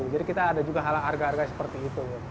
jadi kita ada juga harga harga seperti itu